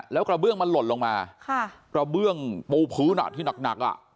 แล้วกระเบื้องมันหล่นลงมาค่ะระเบื้องโปรผื้นนักที่หนักหนักอ่ะ